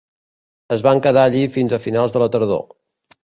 Es van quedar allí fins a finals de la tardor.